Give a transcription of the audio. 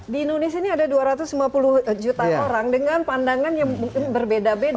di indonesia ini ada dua ratus lima puluh juta orang dengan pandangan yang berbeda beda